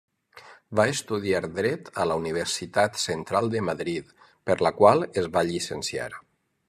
Va estudiar Dret a la Universitat Central de Madrid, per la qual es va llicenciar.